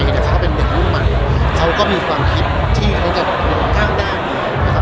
แล้วไทยเป็นเด็กรุ่นใหม่เขาก็มีความคิดที่เขาจะอยู่ข้างแดน